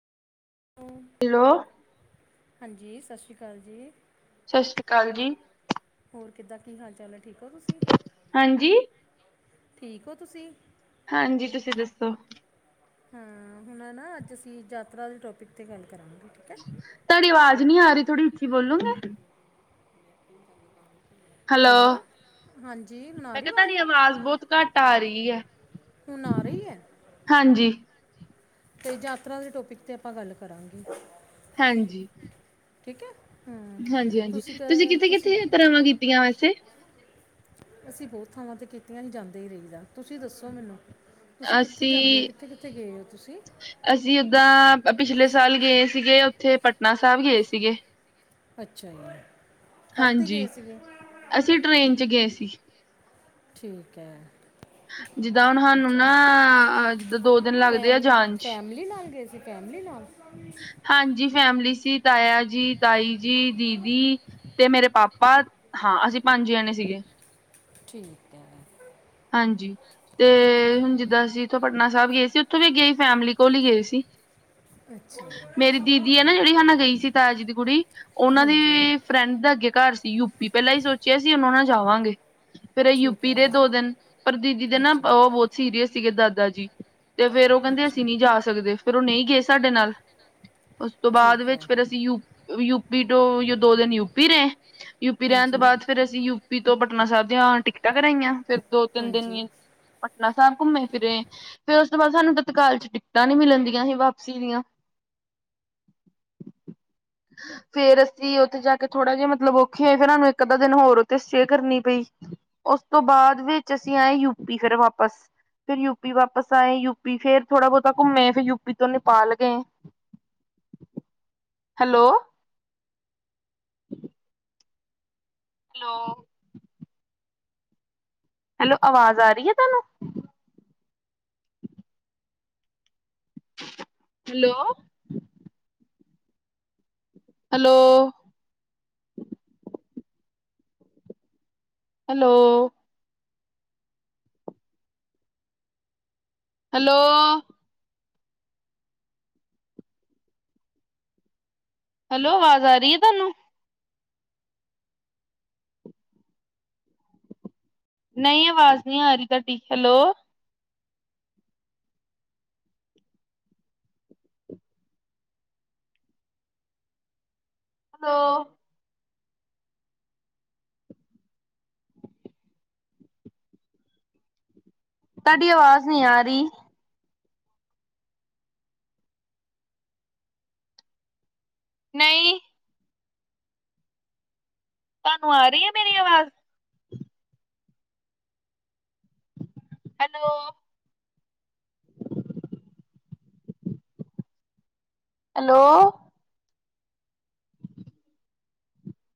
ਹ ਹੈਲੋ ਹਾਂਜੀ ਸਸ ਸ੍ਰੀ ਕਾਲ ਜੀ। ਸਤ ਸ਼੍ਰੀ ਕਾਲ ਜੀ। ਹੋਰ ਕਿੱਦਾਂ ਕੀ ਹਾਲ ਚਾਲ ਹੈ ਠੀਕ ਹੋ ਤੁਸੀ। ਹਾਂਜੀ ਠੀਕ ਹੋ ਤੁਸੀ? ਹਾਂਜੀ ਤੁਸੀਂ ਦੱਸੋ। ਹਾਂ ਹੁਣ ਨਾ ਅੱਜ ਅਸੀ ਯਾਤਰਾ ਦੇ ਟੋਪਿਕ ਤੇ ਗੱਲ ਕਰਾਂਗੇ। ਹੈ ਤੁਹਾਡੀ ਆਵਾਜ਼ ਨਹੀਂੀ ਆ ਰਹੀ ਥੋੜ੍ਹੀ ਅੱਛੀ ਬੋਲੋਗੇ ਹੈਲੋ ਹਾਂਜੀ ਹੁਣ ਆ ਮੈਂ ਰਹੀ ਕਿਹਾ ਤੁਹਾਡੀ ਆਵਾਜ਼ ਬਹੁਤ ਘੱਟ ਆ ਰਹੀ ਹੈ ਹੁਣ ਆ ਰਹੀ ਹੈ ਹਾਂਜੀ ਅਤੇ ਯਾਤਰਾ ਦੇ ਟੋਪਿਕ 'ਤੇ ਆਪਾਂ ਗੱਲ ਕਰਾਂਗੇ ਹਾਂਜੀ ਠੀਕ ਹੈ ਹਮ ਹਾਂਜੀ, ਹਾਂਜੀ ਤੁਸੀ ਤੁਸੀਂ ਕ ਤੁਸੀ ਕਿੱਥੇ-ਕਿੱਥੇ ਯਾਤਰਾਵਾਂ ਕੀਤੀਆਂ ਵੈਸੇ? ਅਸੀਂ ਬਹੁਤ ਥਾਵਾਂ ਤੇ ਕੀਤੀਆਂ ਹੀ ਜਾਂਦੇ ਹੀ ਰਹੀਦਾ ਤੁਸੀਂ ਦੱਸੋ ਮੈਨੂੰ ਤੁਸੀਂ ਕਿੱਥੇ ਜਾਂਦੇ ਹੋ ਅਸੀਂ ਕਿੱਥੇ ਕਿੱਥੇ ਗਏ ਹੋ ਤੁਸੀਂ ਅਸੀਂ ਉਓਦਾਂ ਪਿਛਲੇ ਸਾਲ ਗਏ ਸੀਗੇ ਉੱਥੇ ਪਟਨਾ ਸਾਹਿਬ ਗਏ ਸੀਗੇ ਅੱਛਾ ਜੀ ਕਾਹਤੇ ਗਏ ਹਾਂਜੀ ਸੀਗੇ ਅਸੀਂ ਟ੍ਰੇਨ ਚ ਗਏ ਸੀ ਠੀਕ ਹੈ ਜਿੱਦਾਂ ਹੁਣ ਸਾਨੂੰ ਅੱਛਾ ਨਾ ਜਿੱਦਾਂ ਦੋ ਦਿਨ ਲੱਗਦੇ ਆ ਜਾਣ ਚ ਲੀ ਨਾਲ ਗਏ ਸੀ ਫੈਮਲੀ ਨਾਲ ਹਾਂਜੀ ਫੈਮਿਲੀ ਸੀ ਤਾਇਆ ਜੀ ਤਾਈ ਜੀ ਦੀਦੀ ਤੇ ਮੇਰੇ ਪਾਪਾ ਹਾਂ ਅਸੀਂ ਪੰਜ ਜਣੇ ਸੀਗੇ ਠੀਕ ਹੈ ਹਾਂਜੀ ਤੇ ਹੁਣ ਜਿੱਦਾਂ ਅਸੀਂ ਉਥੋਂ ਪਟਨਾ ਸਾਹਿਬ ਗਏ ਸੀ ਉੱਥੋਂ ਵੀ ਗਈ ਫੈਮਿਲੀ ਕੋਲ ਹੀ ਗਏ ਸੀ ਅੱਛਾ ਮੇਰੀ ਦੀਦੀ ਹੈ ਨਾ ਜਿਹੜੀ ਹਨਾ ਗਈ ਸੀ ਤਾਜ਼ੀ ਦੀ ਕੁੜੀ ਠੀਕ- ਉਹਨਾਂ ਦੀ ਹਾਂਜੀ ਫਰੈਂਡ ਦਾ ਅੱਗੇ ਘਰ ਸੀ ਯੂਪੀ ਪਹਿਲਾਂ ਹੀ ਸੋਚਿਆ ਸੀ ਉਹ ਨਾਲ ਜਾਵਾਂਗੇ ਫੇਿਰ ਠੀਕ ਯੂਪੀ ਹੈ ਦੇ ਦੋ ਦਿਨ ਪਰ ਦੀਦੀ ਦੇ ਨਾ ਅੱਛਾ ਉਹ ਬਹੁਤ ਸੀਰੀਅਸ ਸੀਗੇ ਦਾਦਾ ਜੀ ਤੇ ਫੇਰ ਉਹ ਕਹਿੰਦੇ ਅੱਛਾ ਅਸੀਂ ਨਹੀਂੀ ਜਾ ਸਕਦੇ ਫਿਰ ਉਹ ਨਹੀਂ ਗਏ ਸਾਡੇ ਨਾਲ ਉਸ ਤੋਂ ਬਾਅਦ ਠੀਕ ਵਿੱਚ ਹੈ ਫੇਿਰ ਅਸੀਂ ਯੂ ਯੂਪੀ ਤੋਂ ਦੋ ਦਿਨ ਯੂਪੀ ਰਹੇ ਯੂਪੀ ਰਹਿਣ ਤੋਂ ਹਾਂਜੀ ਬਾਅਦ ਫਿਰ ਅਸੀਂ ਯੂਪੀ ਤੋਂ ਪਟਨਾ ਸਾਹਿਬ ਦੀਆਂ ਟਿਕਟਾਂ ਕਰਾਈਆਂ ਫਿਰ ਦੋ ਤਿੰਨ ਦਿਨ ਹਾਂਜੀ ਦੀ ਪਟਨਾ ਸਾਹਿਬ ਘੁੰਮੇ ਫਿਰੇ ਫੇਿਰ ਉਸ ਤੋਂ ਬਾਅਦ ਸਾਨੂੰ ਤਤਕਾਲ ਚ ਟਿਕਟਾਂ ਨੀ ਮਿਲਣਦੀਆਂ ਸੀ ਵਾਪਸੀ ਦੀਆਂ [inaudible] ਫੇਰ ਅਸੀਂ ਉੱਥੇ ਜਾ ਕੇ ਥੋੜਾ ਜਿਹੇ ਮਤਲਬ ਔਖੇ ਹੋਏ ਫੇਿਰ ਉਹੂੰ ਇੱਕ ਅੱਧਾ ਦਿਨ ਹੋਰ ਉੱਥੇ ਸਟੇ ਕਰਨੀ ਪਈ ਉਸ ਤੋਂ ਬਾਅਦ ਵਿੱਚ ਅਸੀਂ ਆਏ ਯੂਪੀ ਫਿਰ ਵਾਪਸ ਫੇਿਰ ਯੂਪੀ ਵਾਪਸ ਆਏ ਯੂਪੀ ਫੇਰ ਥੋੜਾ ਬਹੁਤਾ ਘੁੰਮੇ ਫਿਰਰ ਯੂਪੀ ਤੋਂ ਨੇਪਾਲ ਗਏ ਹੈਲੋ ਹੈਲੋ ਹੈਲੋ ਆਵਾਜ਼ ਆ ਰਹੀ ਹੈ ਤੁਹਾਨੂੰ hello hello hello hello hello ਆਵਾਜ਼ ਆ ਰਹੀ ਹੈ ਤੁਹਾਨੂੰ ਨਹੀਂ ਆਵਾਜ਼ ਨਹੀਂੀ ਆ ਰਹੀ ਤੁਹਾਡੀ ਹੈਲੋ ਹ ਤੁਹਾਡੀ ਆਵਾਜ਼ ਨਹੀਂ ਆ ਰਹੀ ਨਹੀਂ ਤੁਹਾਨੂੰ ਆ ਰਹੀ ਹੈ ਮੇਰੀ ਆਵਾਜ਼ ਹੈਲੋ ਹੈਲੋ